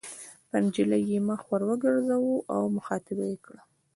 پر نجلۍ یې مخ ور وګرځاوه او مخاطبه یې کړه.